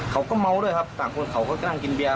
เขาก็เมาด้วยครับต่างคนเขาก็นั่งกินเบียร์